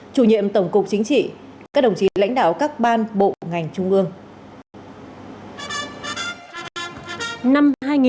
chủ nhiệm tổng cục chính trị các đồng chí lãnh đạo các ban bộ ngành trung ương